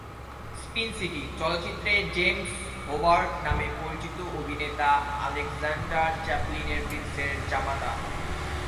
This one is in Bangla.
"স্পিন সিটি" চলচ্চিত্রে "জেমস হোবার্ট" নামে পরিচিত অভিনেতা আলেকজান্ডার চ্যাপলিন প্রিন্সের জামাতা।